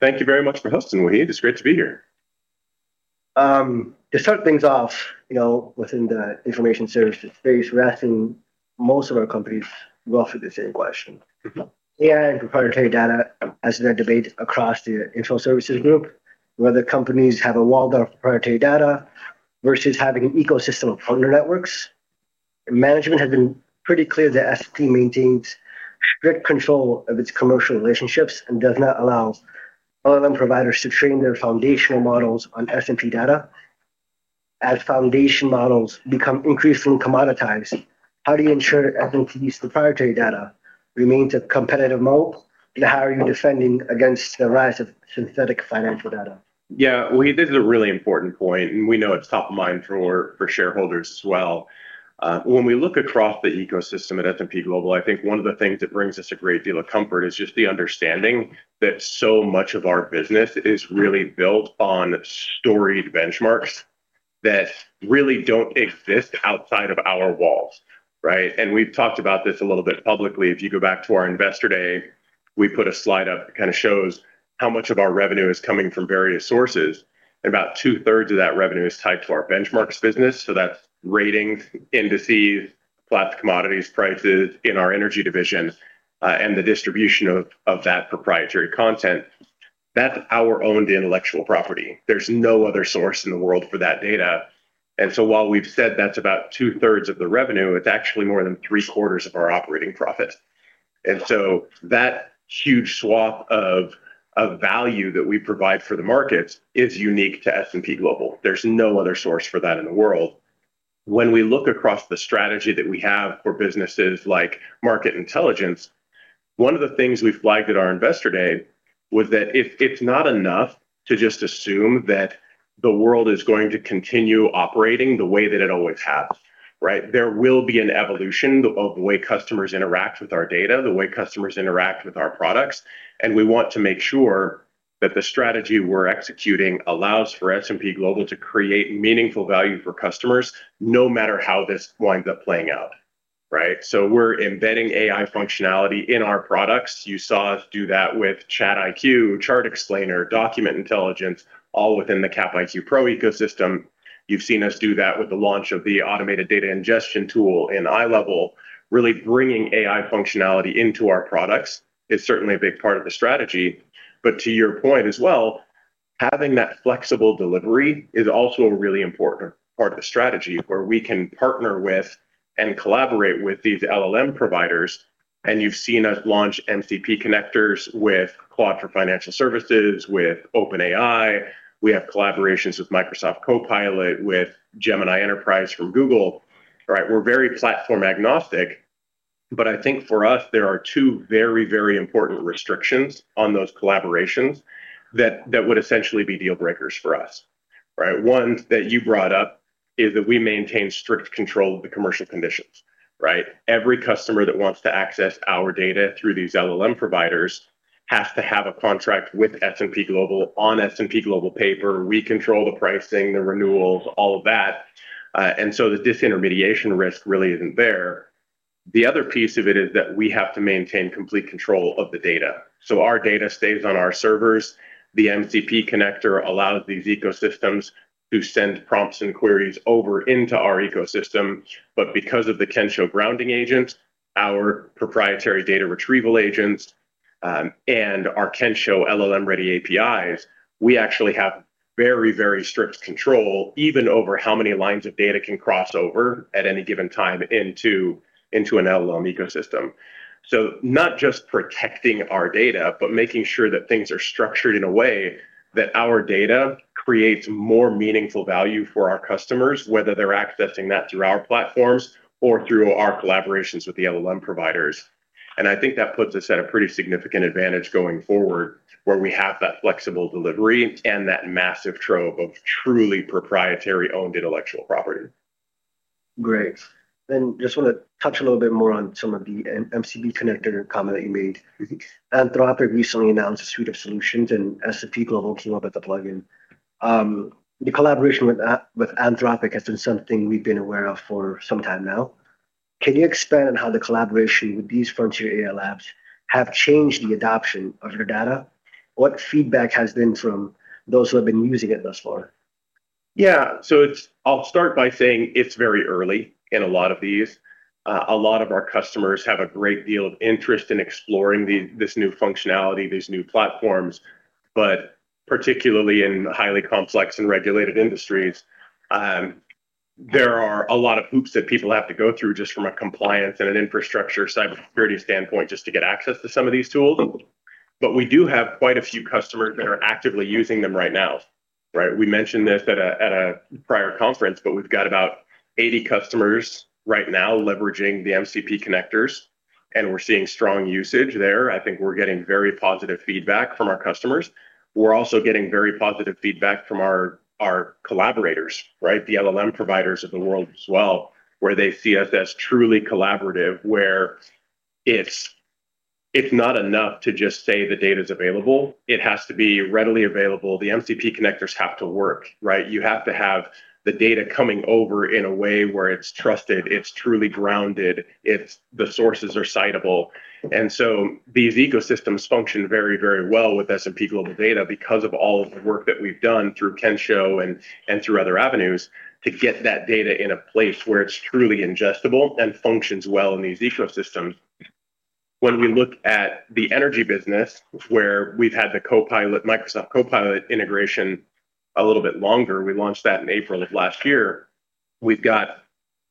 Thank you very much for hosting, Wahid. It's great to be here. To start things off, you know, within the information services space, we're asking most of our companies roughly the same question. AI and proprietary data has been a debate across the info services group, whether companies have a walled off proprietary data versus having an ecosystem of partner networks. Management has been pretty clear that S&P maintains strict control of its commercial relationships and does not allow LLM providers to train their foundation models on S&P data. As foundation models become increasingly commoditized, how do you ensure S&P's proprietary data remains a competitive moat? How are you defending against the rise of synthetic financial data? Yeah. Wahid, this is a really important point, and we know it's top of mind for shareholders as well. When we look across the ecosystem at S&P Global, I think one of the things that brings us a great deal of comfort is just the understanding that so much of our business is really built on storied benchmarks that really don't exist outside of our walls, right? We've talked about this a little bit publicly. If you go back to our Investor Day, we put a slide up that kind of shows how much of our revenue is coming from various sources, and about two-thirds of that revenue is tied to our benchmarks business. That's ratings, indices, Platts commodities, prices in our energy division, and the distribution of that proprietary content. That's our owned intellectual property. There's no other source in the world for that data. While we've said that's about two-thirds of the revenue, it's actually more than three quarters of our operating profit. That huge swath of value that we provide for the markets is unique to S&P Global. There's no other source for that in the world. When we look across the strategy that we have for businesses like market intelligence, one of the things we flagged at our Investor Day was that it's not enough to just assume that the world is going to continue operating the way that it always has, right? There will be an evolution of the way customers interact with our data, the way customers interact with our products, and we want to make sure that the strategy we're executing allows for S&P Global to create meaningful value for customers no matter how this winds up playing out, right? We're embedding AI functionality in our products. You saw us do that with ChatIQ, Chart Explainer, Document Intelligence, all within the S&P Capital IQ Pro ecosystem. You've seen us do that with the launch of the automated data ingestion tool in iLEVEL. Really bringing AI functionality into our products is certainly a big part of the strategy. To your point as well, having that flexible delivery is also a really important part of the strategy, where we can partner with and collaborate with these LLM providers. You've seen us launch Claude for Financial Services, with openai. we have collaborations with Microsoft Copilot, with Gemini Enterprise from Google, right? We're very platform-agnostic, but I think for us, there are two very, very important restrictions on those collaborations that would essentially be deal breakers for us, right? One, that you brought up is that we maintain strict control of the commercial conditions, right? Every customer that wants to access our data through these LLM providers has to have a contract with S&P Global on S&P Global paper. We control the pricing, the renewals, all of that, and so the disintermediation risk really isn't there. The other piece of it is that we have to maintain complete control of the data, so our data stays on our servers. The MCP connector allows these ecosystems to send prompts and queries over into our ecosystem, but because of the Kensho grounding agent, our proprietary data retrieval agents, and our Kensho LLM-ready APIs, we actually have very, very strict control even over how many lines of data can cross over at any given time into an LLM ecosystem. So not just protecting our data, but making sure that things are structured in a way that our data creates more meaningful value for our customers, whether they're accessing that through our platforms or through our collaborations with the LLM providers. I think that puts us at a pretty significant advantage going forward, where we have that flexible delivery and that massive trove of truly proprietary-owned intellectual property. Great. Just wanna touch a little bit more on some of the MCP connector comment that you made. Anthropic recently announced a suite of solutions, and S&P Global came up with a plugin. The collaboration with Anthropic has been something we've been aware of for some time now. Can you expand on how the collaboration with these frontier AI labs have changed the adoption of your data? What feedback has been from those who have been using it thus far? Yeah. I'll start by saying it's very early in a lot of these. A lot of our customers have a great deal of interest in exploring this new functionality, these new platforms, but particularly in highly complex and regulated industries, there are a lot of hoops that people have to go through just from a compliance and an infrastructure cybersecurity standpoint just to get access to some of these tools. We do have quite a few customers that are actively using them right now, right? We mentioned this at a prior conference, but we've got about 80 customers right now leveraging the MCP connectors, and we're seeing strong usage there. I think we're getting very positive feedback from our customers. We're also getting very positive feedback from our collaborators, right? The LLM providers of the world as well, where they see us as truly collaborative, where it's not enough to just say the data's available. It has to be readily available. The MCP connectors have to work, right? You have to have the data coming over in a way where it's trusted, it's truly grounded, it's, the sources are citable. These ecosystems function very, very well with S&P Global data because of all of the work that we've done through Kensho and through other avenues to get that data in a place where it's truly ingestible and functions well in these ecosystems. When we look at the energy business, where we've had the Copilot, Microsoft Copilot integration a little bit longer, we launched that in April of last year. We've got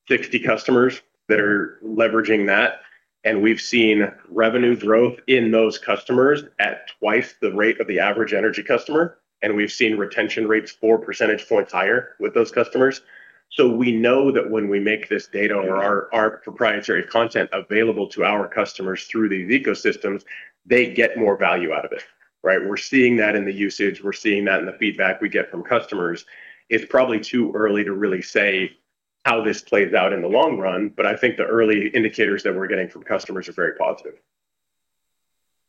60 customers that are leveraging that, and we've seen revenue growth in those customers at twice the rate of the average energy customer, and we've seen retention rates 4 percentage points higher with those customers. We know that when we make this data or our proprietary content available to our customers through these ecosystems, they get more value out of it, right? We're seeing that in the usage. We're seeing that in the feedback we get from customers. It's probably too early to really say how this plays out in the long run, but I think the early indicators that we're getting from customers are very positive.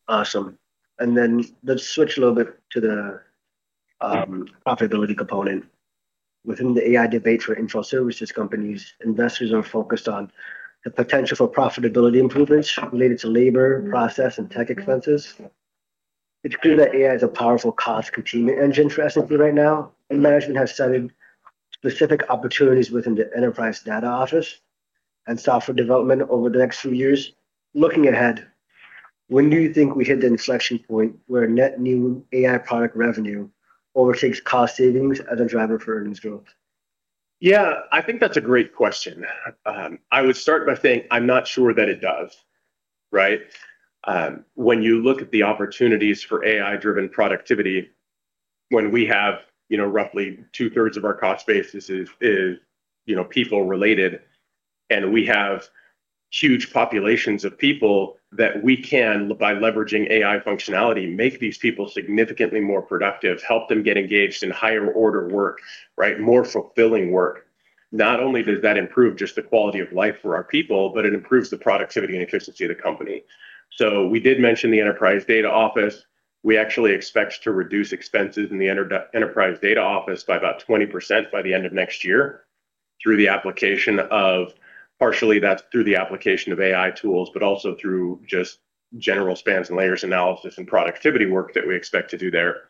Awesome. Let's switch a little bit to the profitability component. Within the AI debate for info services companies, investors are focused on the potential for profitability improvements related to labor, process, and tech expenses. It's clear that AI is a powerful cost-containment engine for S&P right now, and management has cited specific opportunities within the Enterprise Data Office and software development over the next few years. Looking ahead, when do you think we hit the inflection point where net new AI product revenue overtakes cost savings as a driver for earnings growth? Yeah, I think that's a great question. I would start by saying I'm not sure that it does, right? When you look at the opportunities for AI-driven productivity, when we have, you know, roughly two-thirds of our cost basis is, you know, people-related, and we have huge populations of people that we can, by leveraging AI functionality, make these people significantly more productive, help them get engaged in higher-order work, right, more fulfilling work. Not only does that improve just the quality of life for our people, but it improves the productivity and efficiency of the company. We did mention the Enterprise Data Office. We actually expect to reduce expenses in the Enterprise Data Office by about 20% by the end of next year partially through the application of AI tools, but also through just general span and layer analysis and productivity work that we expect to do there,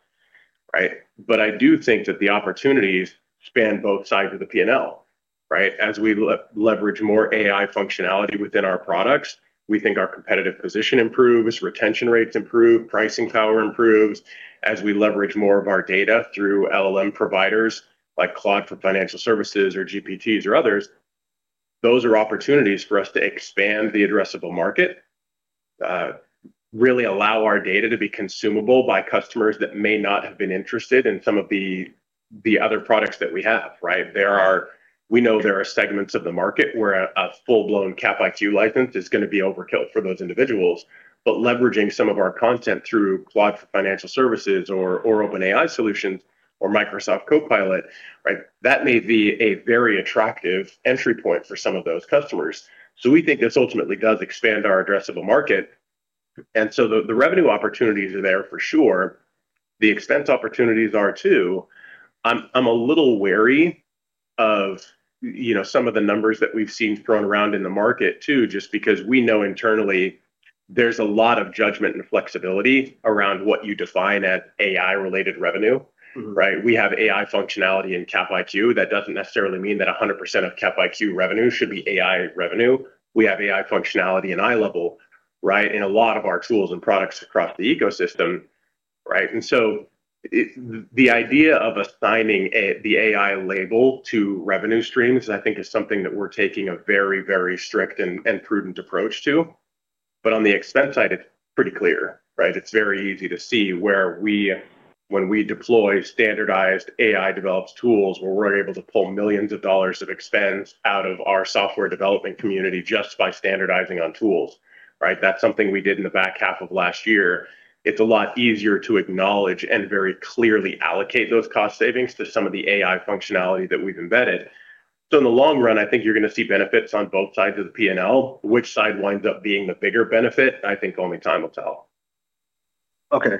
right? I do think that the opportunities span both sides of the P&L, right? As we leverage more AI functionality within our products, we think our competitive position improves, retention rates improve, pricing power improves. As we leverage more of our data through LLM providers like Claude for Financial Services or GPTs or others, those are opportunities for us to expand the addressable market, really allow our data to be consumable by customers that may not have been interested in some of the other products that we have, right? We know there are segments of the market where a full-blown CapIQ license is gonna be overkill for those individuals. Leveraging some of our content through Claude for Financial Services or OpenAI solutions or Microsoft Copilot, right, that may be a very attractive entry point for some of those customers. We think this ultimately does expand our addressable market. The revenue opportunities are there for sure. The expense opportunities are too. I'm a little wary of, you know, some of the numbers that we've seen thrown around in the market too, just because we know internally there's a lot of judgment and flexibility around what you define as AI-related revenue. Right? We have AI functionality in CapIQ. That doesn't necessarily mean that 100% of CapIQ revenue should be AI revenue. We have AI functionality in iLEVEL, right, in a lot of our tools and products across the ecosystem, right? The idea of assigning the AI label to revenue streams, I think is something that we're taking a very, very strict and prudent approach to. On the expense side, it's pretty clear, right? It's very easy to see when we deploy standardized AI-developed tools, where we're able to pull millions of dollars of expense out of our software development community just by standardizing on tools, right? That's something we did in the back half of last year. It's a lot easier to acknowledge and very clearly allocate those cost savings to some of the AI functionality that we've embedded. In the long run, I think you're gonna see benefits on both sides of the P&L. Which side winds up being the bigger benefit, I think only time will tell. Okay.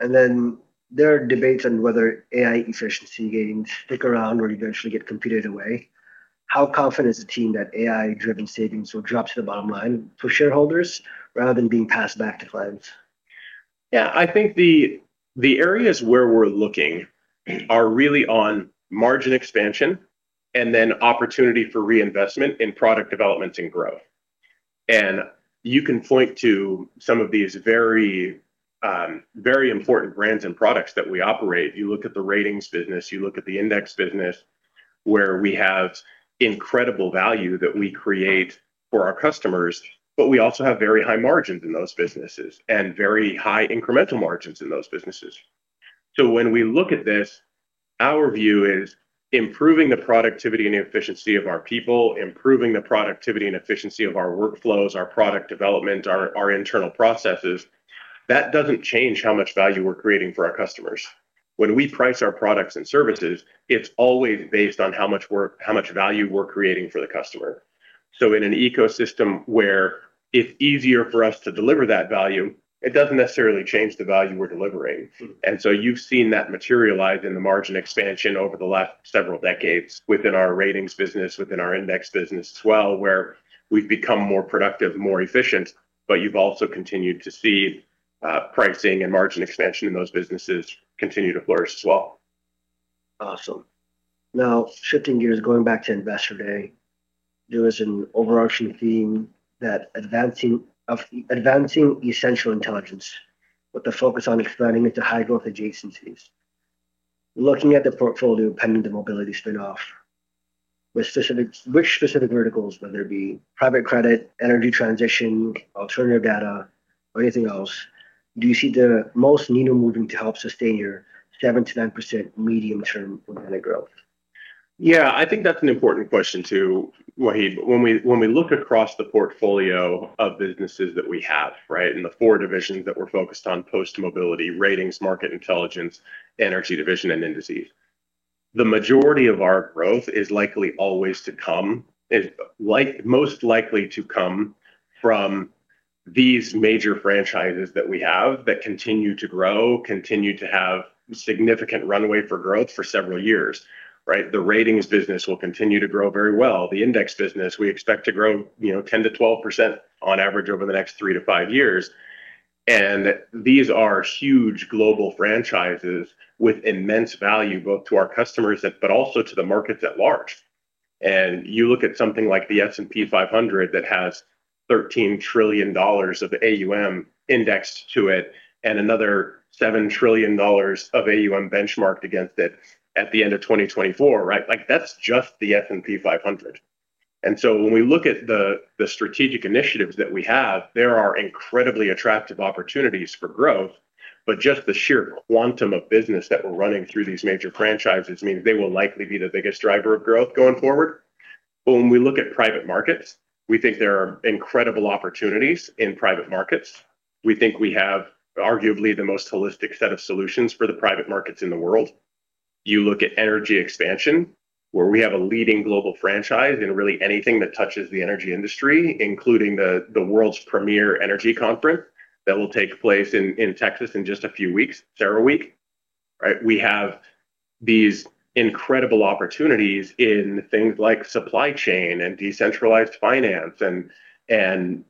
There are debates on whether AI efficiency gains stick around or eventually get competed away. How confident is the team that AI-driven savings will drop to the bottom line for shareholders rather than being passed back to clients? Yeah. I think the areas where we're looking are really on margin expansion and then opportunity for reinvestment in product development and growth. You can point to some of these very, very important brands and products that we operate. You look at the ratings business, you look at the index business, where we have incredible value that we create for our customers, but we also have very high margins in those businesses and very high incremental margins in those businesses. When we look at this, our view is improving the productivity and the efficiency of our people, improving the productivity and efficiency of our workflows, our product development, our internal processes. That doesn't change how much value we're creating for our customers. When we price our products and services, it's always based on how much value we're creating for the customer. In an ecosystem where it's easier for us to deliver that value, it doesn't necessarily change the value we're delivering. You've seen that materialize in the margin expansion over the last several decades within our ratings business, within our index business as well, where we've become more productive, more efficient, but you've also continued to see pricing and margin expansion in those businesses continue to flourish as well. Awesome. Now, 15 years, going back to Investor Day, there was an overarching theme of advancing essential intelligence with the focus on expanding into high-growth adjacencies. Looking at the portfolio pending the mobility spin-off, which specific verticals, whether it be private credit, energy transition, alternative data or anything else, do you see the most needle-moving to help sustain your 7%-9% medium-term organic growth? Yeah, I think that's an important question too, Wahid. When we look across the portfolio of businesses that we have, right, and the four divisions that we're focused on, post-mobility, ratings, market intelligence, energy division and indices, the majority of our growth is most likely to come from these major franchises that we have that continue to grow, continue to have significant runway for growth for several years, right? The ratings business will continue to grow very well. The index business, we expect to grow, you know, 10%-12% on average over the next three to five years. These are huge global franchises with immense value, both to our customers, but also to the markets at large. You look at something like the S&P 500 that has $13 trillion of AUM indexed to it and another $7 trillion of AUM benchmarked against it at the end of 2024, right? Like, that's just the S&P 500. When we look at the strategic initiatives that we have, there are incredibly attractive opportunities for growth. Just the sheer quantum of business that we're running through these major franchises means they will likely be the biggest driver of growth going forward. When we look at private markets, we think there are incredible opportunities in private markets. We think we have arguably the most holistic set of solutions for the private markets in the world. You look at energy expansion, where we have a leading global franchise in really anything that touches the energy industry, including the world's premier energy conference that will take place in Texas in just a few weeks, CERAWeek, right? We have these incredible opportunities in things like supply chain and decentralized finance and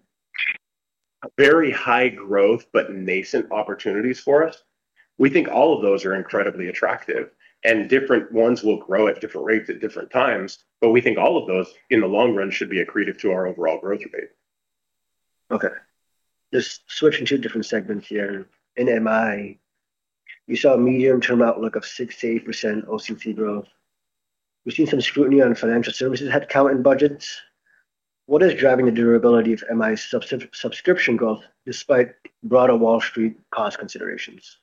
very high growth, but nascent opportunities for us. We think all of those are incredibly attractive, and different ones will grow at different rates at different times. We think all of those, in the long run, should be accretive to our overall growth rate. Okay. Just switching to a different segment here. In MI, you saw a medium-term outlook of 6%-8% OCC growth. We've seen some scrutiny on financial services head count and budgets. What is driving the durability of MI's subscription growth despite broader Wall Street cost considerations?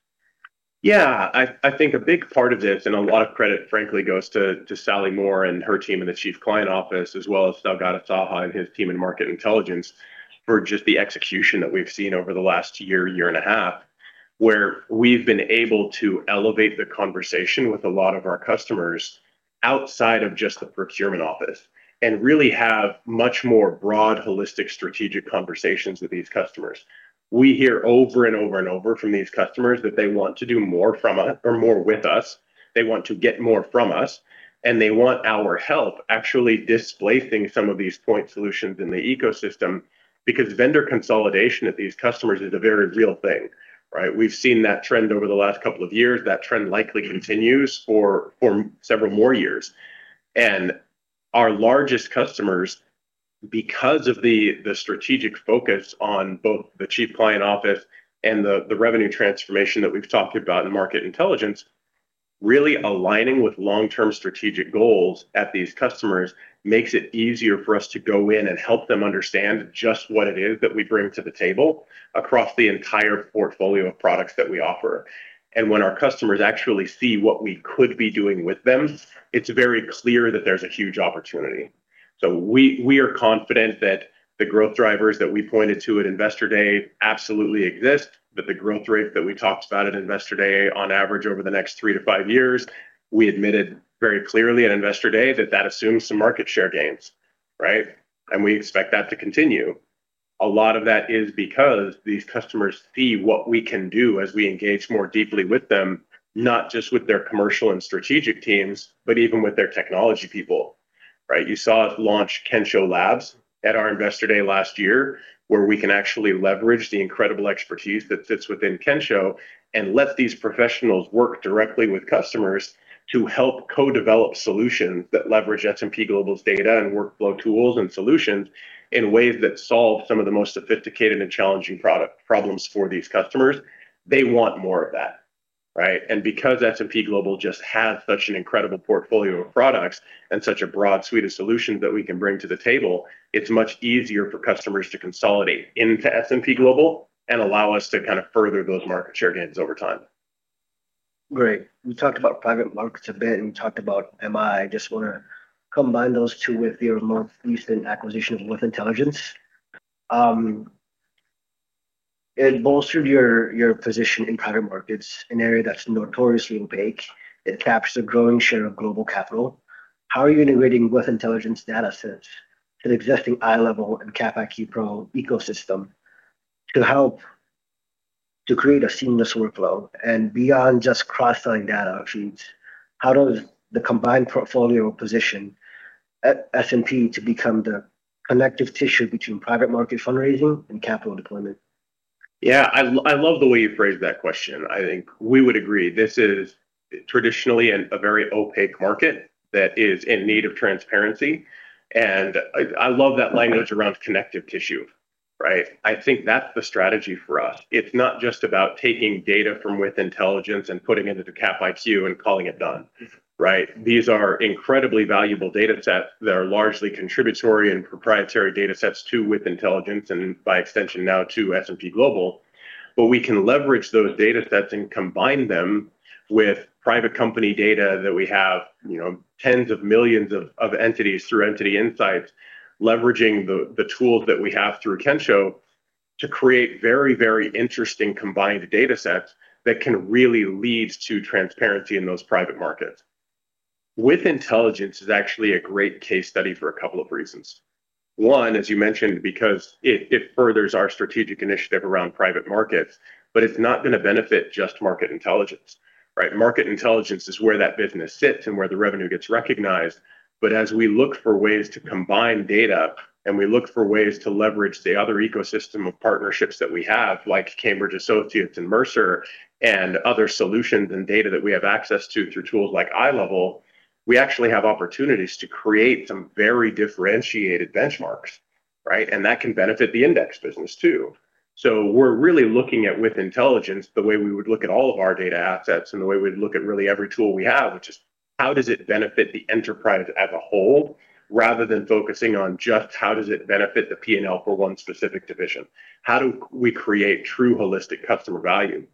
Yeah, I think a big part of this, and a lot of credit, frankly, goes to Sally Moore and her team in the Chief Client Office, as well as Saugata Saha and his team in Market Intelligence, for just the execution that we've seen over the last year and a half, where we've been able to elevate the conversation with a lot of our customers outside of just the procurement office and really have much more broad, holistic, strategic conversations with these customers. We hear over and over and over from these customers that they want to do more from us or more with us. They want to get more from us, and they want our help actually displacing some of these point solutions in the ecosystem because vendor consolidation at these customers is a very real thing, right? We've seen that trend over the last couple of years. That trend likely continues for several more years. Our largest customers, because of the strategic focus on both the Chief Client Office and the revenue transformation that we've talked about in Market Intelligence, really aligning with long-term strategic goals at these customers makes it easier for us to go in and help them understand just what it is that we bring to the table across the entire portfolio of products that we offer. When our customers actually see what we could be doing with them, it's very clear that there's a huge opportunity. We are confident that the growth drivers that we pointed to at Investor Day absolutely exist. That the growth rate that we talked about at Investor Day on average over the next three to five years, we admitted very clearly at Investor Day that that assumes some market share gains, right? We expect that to continue. A lot of that is because these customers see what we can do as we engage more deeply with them, not just with their commercial and strategic teams, but even with their technology people, right? You saw us launch Kensho Labs at our Investor Day last year, where we can actually leverage the incredible expertise that sits within Kensho and let these professionals work directly with customers to help co-develop solutions that leverage S&P Global's data and workflow tools and solutions in ways that solve some of the most sophisticated and challenging problems for these customers. They want more of that, right? Because S&P Global just has such an incredible portfolio of products and such a broad suite of solutions that we can bring to the table, it's much easier for customers to consolidate into S&P Global and allow us to kind of further those market share gains over time. Great. We talked about private markets a bit, and we talked about MI. Just wanna combine those two with your most recent acquisition of With Intelligence. It bolstered your position in private markets, an area that's notoriously opaque. It captures a growing share of global capital. How are you integrating With Intelligence datasets to the existing iLEVEL and S&P CapIQ Pro ecosystem to help to create a seamless workflow? Beyond just cross-selling data feeds, how does the combined portfolio position S&P to become the connective tissue between private market fundraising and capital deployment? Yeah, I love the way you phrased that question. I think we would agree this is traditionally a very opaque market that is in need of transparency, and I love that language around connective tissue, right? I think that's the strategy for us. It's not just about taking data from With Intelligence and putting it into CapIQ and calling it done, right? These are incredibly valuable datasets that are largely contributory and proprietary datasets to With Intelligence, and by extension now to S&P Global. We can leverage those datasets and combine them with private company data that we have, you know, tens of millions of entities through Entity Insights, leveraging the tools that we have through Kensho to create very interesting combined datasets that can really lead to transparency in those private markets. With Intelligence is actually a great case study for a couple of reasons. One, as you mentioned, because it furthers our strategic initiative around private markets, but it's not gonna benefit just market intelligence, right? Market intelligence is where that business sits and where the revenue gets recognized, but as we look for ways to combine data and we look for ways to leverage the other ecosystem of partnerships that we have, like Cambridge Associates and Mercer and other solutions and data that we have access to through tools like iLEVEL, we actually have opportunities to create some very differentiated benchmarks, right? That can benefit the index business too. We're really looking at With Intelligence the way we would look at all of our data assets and the way we'd look at really every tool we have, which is how does it benefit the enterprise as a whole, rather than focusing on just how does it benefit the P&L for one specific division? How do we create true holistic customer value,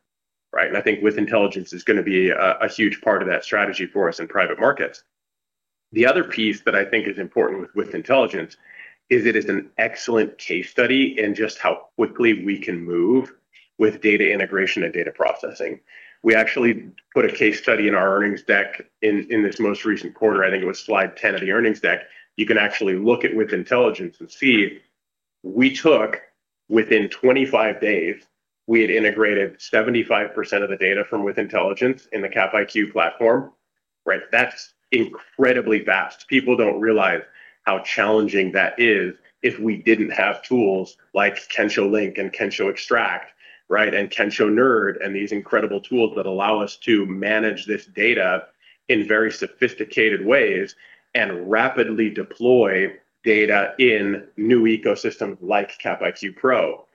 right? I think With Intelligence is gonna be a huge part of that strategy for us in private markets. The other piece that I think is important with With Intelligence is it is an excellent case study in just how quickly we can move with data integration and data processing. We actually put a case study in our earnings deck in this most recent quarter. I think it was slide 10 of the earnings deck. You can actually look at With Intelligence and see within 25 days, we had integrated 75% of the data from With Intelligence in the CapIQ Pro platform, right? That's incredibly fast. People don't realize how challenging that is if we didn't have tools like Kensho Link and Kensho Extract, right, and Kensho NERD and these incredible tools that allow us to manage this data in very sophisticated ways and rapidly deploy data in new ecosystems like Capital IQ Pro.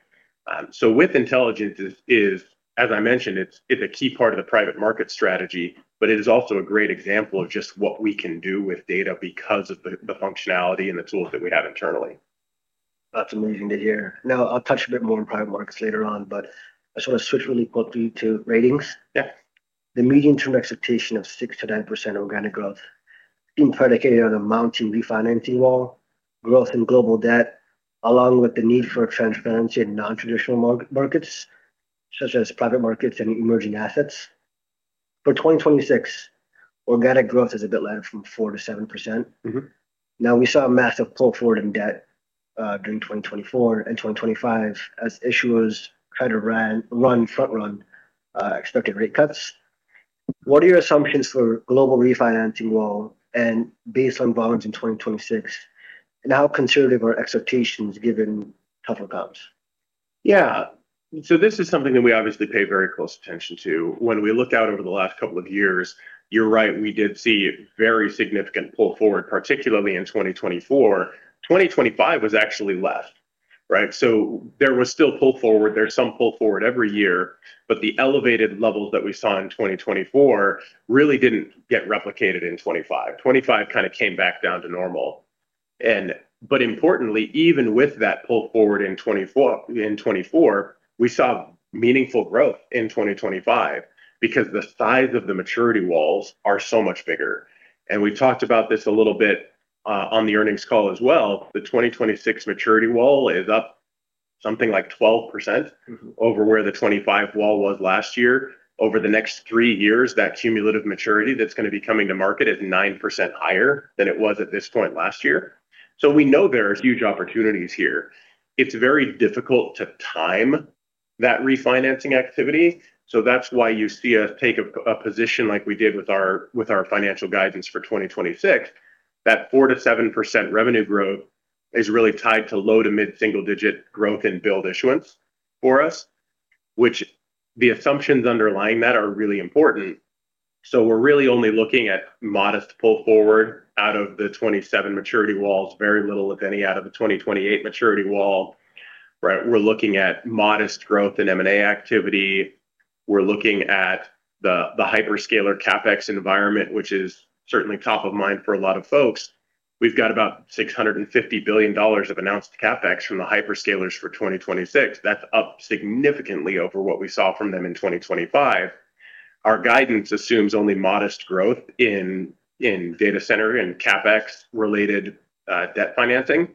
With Intelligence is as I mentioned, it's a key part of the private market strategy, but it is also a great example of just what we can do with data because of the functionality and the tools that we have internally. That's amazing to hear. Now, I'll touch a bit more on private markets later on, but I just wanna switch really quickly to ratings. Yeah. The medium-term expectation of 6%-9% organic growth being predicated on a mounting refinancing wall, growth in global debt, along with the need for transparency in non-traditional mark-to-markets, such as private markets and emerging assets. For 2026, organic growth is a bit light from 4%-7%. Now we saw a massive pull forward in debt during 2024 and 2025 as issuers tried to front-run expected rate cuts. What are your assumptions for global refinancing wall and based on volumes in 2026? How conservative are expectations given tougher comps? Yeah. This is something that we obviously pay very close attention to. When we look out over the last couple of years, you're right, we did see very significant pull forward, particularly in 2024. 2025 was actually less, right? There was still pull forward. There's some pull forward every year, but the elevated levels that we saw in 2024 really didn't get replicated in 2025. 2025 kind of came back down to normal. Importantly, even with that pull forward in 2024, we saw meaningful growth in 2025 because the size of the maturity walls are so much bigger. We've talked about this a little bit, on the earnings call as well. The 2026 maturity wall is up something like 12% over where the 25 wall was last year. Over the next three years, that cumulative maturity that's gonna be coming to market is 9% higher than it was at this point last year. We know there are huge opportunities here. It's very difficult to time that refinancing activity, so that's why you see us take a position like we did with our financial guidance for 2026. That 4%-7% revenue growth is really tied to low- to mid-single digit growth in bond issuance for us, which the assumptions underlying that are really important. We're really only looking at modest pull forward out of the 2027 maturity walls, very little, if any, out of the 2028 maturity wall, right? We're looking at modest growth in M&A activity. We're looking at the hyperscaler CapEx environment, which is certainly top of mind for a lot of folks. We've got about $650 billion of announced CapEx from the hyperscalers for 2026. That's up significantly over what we saw from them in 2025. Our guidance assumes only modest growth in data center and CapEx related debt financing.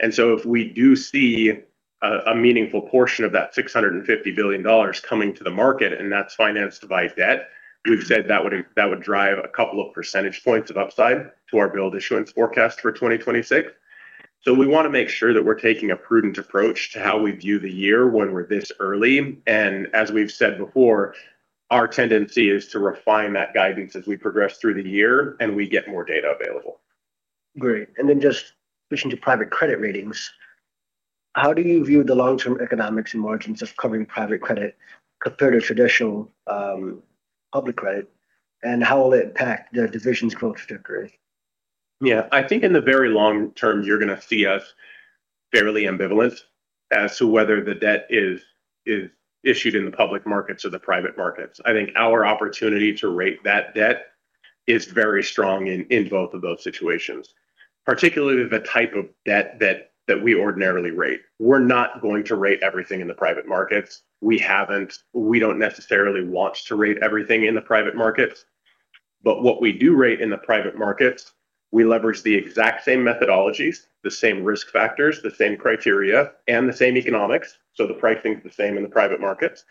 If we do see a meaningful portion of that $650 billion coming to the market, and that's financed by debt, we've said that would drive a couple of percentage points of upside to our bond issuance forecast for 2026. We wanna make sure that we're taking a prudent approach to how we view the year when we're this early. As we've said before, our tendency is to refine that guidance as we progress through the year and we get more data available. Great. Just switching to private credit ratings, how do you view the long-term economics and margins of covering private credit compared to traditional public credit? How will it impact the division's growth trajectory? Yeah. I think in the very long term, you're gonna see us fairly ambivalent as to whether the debt is issued in the public markets or the private markets. I think our opportunity to rate that debt is very strong in both of those situations, particularly the type of debt that we ordinarily rate. We're not going to rate everything in the private markets. We don't necessarily want to rate everything in the private markets. What we do rate in the private markets, we leverage the exact same methodologies, the same risk factors, the same criteria, and the same economics, so the pricing's the same in the private markets.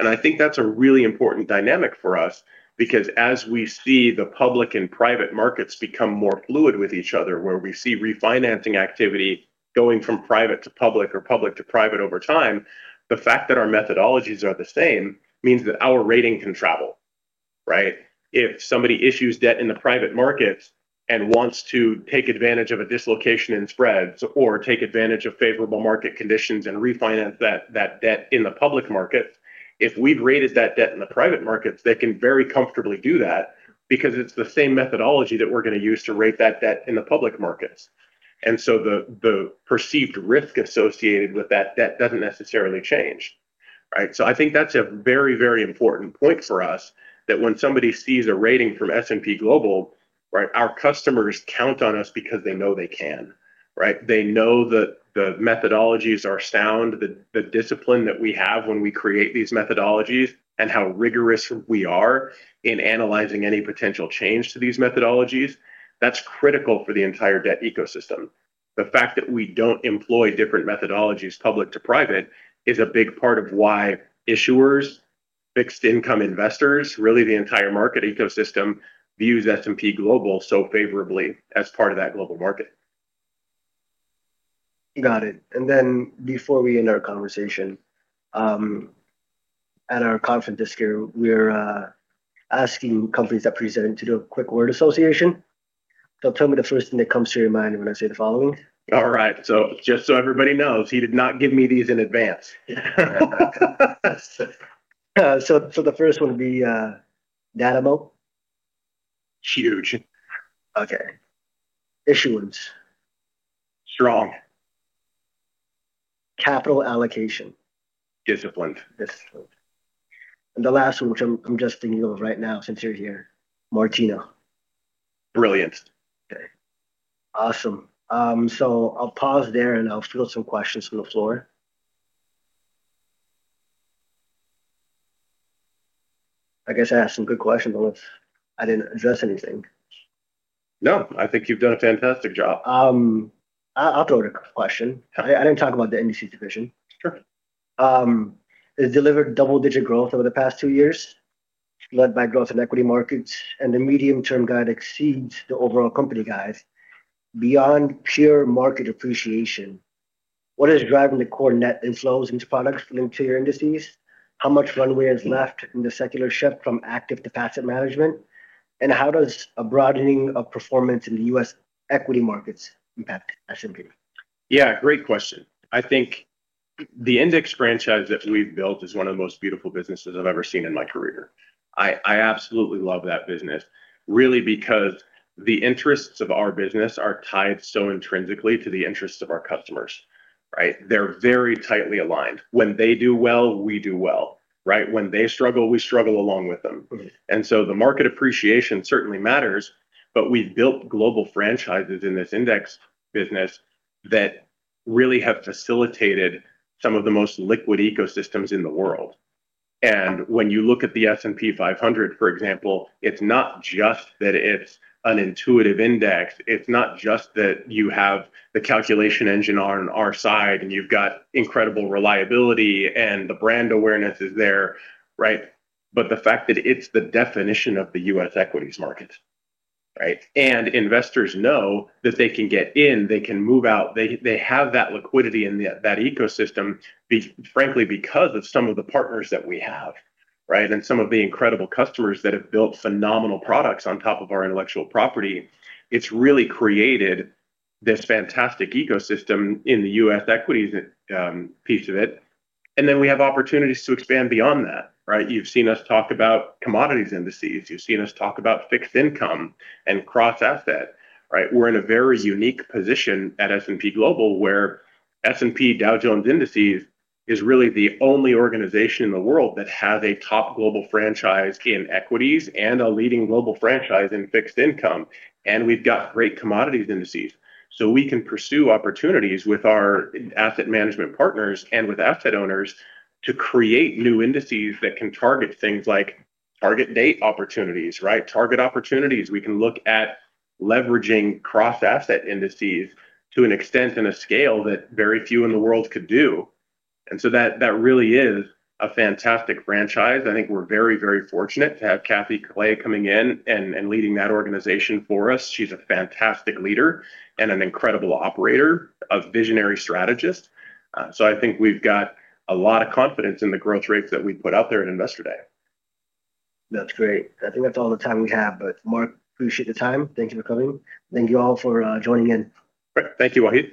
I think that's a really important dynamic for us because as we see the public and private markets become more fluid with each other, where we see refinancing activity going from private to public or public to private over time, the fact that our methodologies are the same means that our rating can travel, right? If somebody issues debt in the private markets and wants to take advantage of a dislocation in spreads or take advantage of favorable market conditions and refinance that debt in the public markets, if we've rated that debt in the private markets, they can very comfortably do that because it's the same methodology that we're gonna use to rate that debt in the public markets. The perceived risk associated with that debt doesn't necessarily change, right? I think that's a very, very important point for us, that when somebody sees a rating from S&P Global, right, our customers count on us because they know they can, right? They know that the methodologies are sound, the discipline that we have when we create these methodologies and how rigorous we are in analyzing any potential change to these methodologies. That's critical for the entire debt ecosystem. The fact that we don't employ different methodologies public to private is a big part of why issuers, fixed income investors, really the entire market ecosystem, views S&P Global so favorably as part of that global market. Got it. Before we end our conversation, at our conference this year, we're asking companies that present to do a quick word association. Tell me the first thing that comes to your mind when I say the following. All right. Just so everybody knows, he did not give me these in advance. The first one would be data moat. Huge. Okay. Issuance. Strong. Capital allocation. Disciplined. Disciplined. The last one, which I'm just thinking of right now since you're here, Martina. Brilliant. Okay. Awesome. I'll pause there, and I'll field some questions from the floor. I guess I asked some good questions unless I didn't address anything. No. I think you've done a fantastic job. I'll throw out a question. I didn't talk about the Indices division. Sure. It delivered double-digit growth over the past two years, led by growth in equity markets, and the medium-term guide exceeds the overall company guide. Beyond pure market appreciation, what is driving the core net inflows into products linked to your indices? How much runway is left in the secular shift from active to passive management? How does a broadening of performance in the U.S. equity markets impact S&P? Yeah, great question. I think the index franchise that we've built is one of the most beautiful businesses I've ever seen in my career. I absolutely love that business, really because the interests of our business are tied so intrinsically to the interests of our customers, right? They're very tightly aligned. When they do well, we do well, right? When they struggle, we struggle along with them. The market appreciation certainly matters, but we've built global franchises in this index business that really have facilitated some of the most liquid ecosystems in the world. When you look at the S&P 500, for example, it's not just that it's an intuitive index. It's not just that you have the calculation engine on our side, and you've got incredible reliability, and the brand awareness is there, right? The fact that it's the definition of the U.S. equities market, right? Investors know that they can get in, they can move out. They have that liquidity in that ecosystem, frankly, because of some of the partners that we have, right, and some of the incredible customers that have built phenomenal products on top of our intellectual property. It's really created this fantastic ecosystem in the U.S. equities piece of it. We have opportunities to expand beyond that, right? You've seen us talk about commodities indices. You've seen us talk about fixed income and cross-asset, right? We're in a very unique position at S&P Global, where S&P Dow Jones Indices is really the only organization in the world that has a top global franchise in equities and a leading global franchise in fixed income. We've got great commodities indices. We can pursue opportunities with our asset management partners and with asset owners to create new indices that can target things like target date opportunities, right, target opportunities. We can look at leveraging cross-asset indices to an extent and a scale that very few in the world could do. That really is a fantastic franchise. I think we're very, very fortunate to have Cathy Clay coming in and leading that organization for us. She's a fantastic leader and an incredible operator, a visionary strategist. I think we've got a lot of confidence in the growth rates that we put out there at Investor Day. That's great. I think that's all the time we have. Mark, appreciate the time. Thank you for coming. Thank you all for joining in. Great. Thank you, Wahid.